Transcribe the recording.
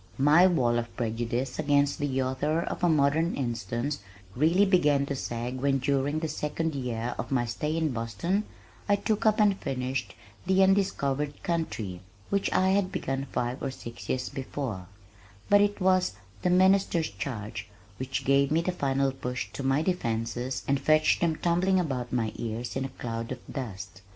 My wall of prejudice against the author of A Modern Instance really began to sag when during the second year of my stay in Boston, I took up and finished The Undiscovered Country (which I had begun five or six years before), but it was The Minister's Charge which gave the final push to my defenses and fetched them tumbling about my ears in a cloud of dust.